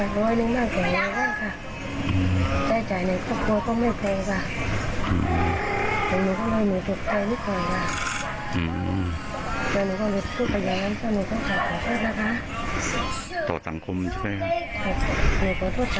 คนที่เกิดโปรดค่ะ